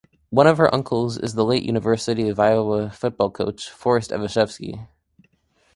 One of her uncles is the late University of Iowa football coach Forest Evashevski.